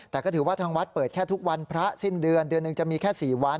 แต่ก็ถือว่าทางวัดเปิดแค่ทุกวันพระสิ้นเดือนเดือนหนึ่งจะมีแค่๔วัน